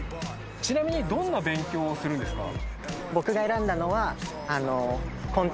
ちなみにどんな勉強をするんですか？